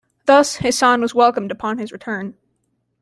Thus Hassan was welcomed upon his return.